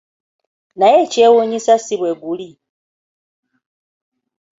Naye ekyewuunyisa si bwe guli!